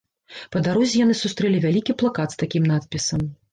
Па дарозе яны сустрэлі вялікі плакат з такім надпісам.